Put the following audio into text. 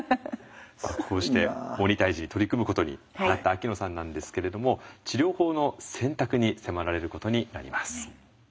こうして鬼退治に取り組むことになった秋野さんなんですけれども治療法の選択に迫られることになります。